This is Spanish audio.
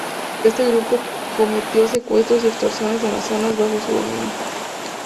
Este grupo cometió secuestros y extorsiones en las zonas bajo su dominio.